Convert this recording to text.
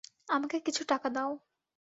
আমাকে কিছু টাকা দাও।